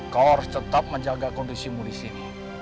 kau harus tetap menjaga kondisi mulis ini